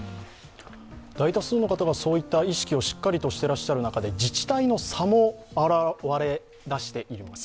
大多数の方がそういった意識をしったりしている中で、自治体の差も表れ始めています。